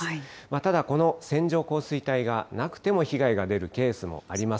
ただ、この線状降水帯がなくても被害が出るケースもあります。